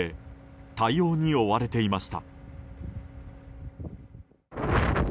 対応に追われていました。